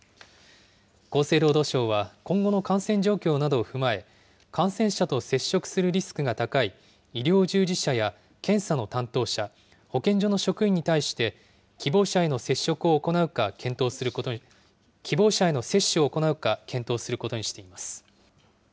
厚生労働省は、今後の感染状況などを踏まえ、感染者と接触するリスクが高い医療従事者や検査の担当者、保健所の職員に対して、希望者への接種を行うか検討することにしています。